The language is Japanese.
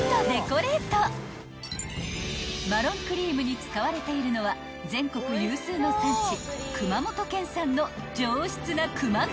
［マロンクリームに使われているのは全国有数の産地熊本県産の上質な球磨栗］